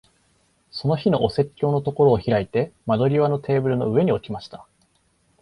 その日のお説教のところを開いて、窓際のテーブルの上に置きました。